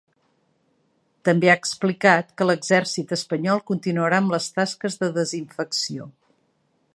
També ha explicat que l’exèrcit espanyol continuarà amb les tasques de desinfecció.